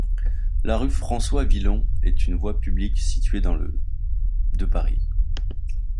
La rue François-Villon est une voie publique située dans le de Paris.